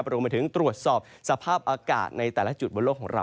รวมไปถึงตรวจสอบสภาพอากาศในแต่ละจุดบนโลกของเรา